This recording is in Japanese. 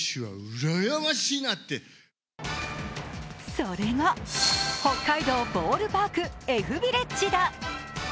それが、北海道ボールパークＦビレッジだ。